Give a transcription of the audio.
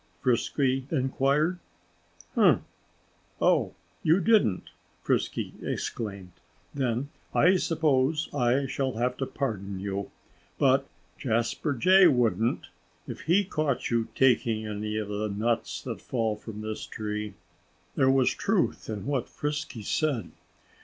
Frisky inquired. "Umph!" "Oh, you didn't!" Frisky exclaimed. "Then I suppose I shall have to pardon you. But Jasper Jay wouldn't, if he caught you taking any of the nuts that fall from this tree." There was truth in what Frisky said.